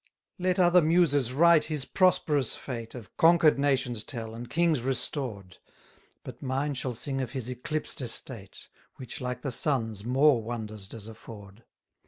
90 Let other muses write his prosperous fate, Of conquer'd nations tell, and kings restored; But mine shall sing of his eclipsed estate, Which, like the sun's, more wonders does afford.